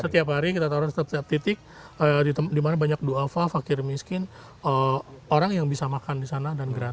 setiap hari kita taruh di satu titik dimana banyak do'afa fakir miskin orang yang bisa makan di sana dan gerakan